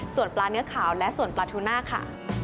ส่วนปลาเนื้อขาวและส่วนปลาทูน่าค่ะ